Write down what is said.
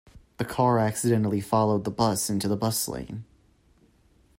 The car accidentally followed the bus into the bus lane.